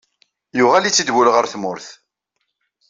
Yuɣal-itt-id wul ɣer tmurt.